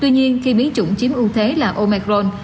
nhưng khi biến chủng chiếm ưu thế là omicron